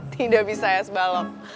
tidak bisa ya sebalok